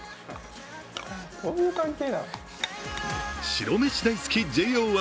白めし大好きＪＯ１。